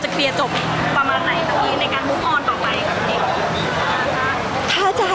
พี่ตอบได้แค่นี้จริงค่ะ